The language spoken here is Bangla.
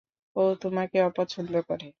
ও তোমাকে অপছন্দ করে।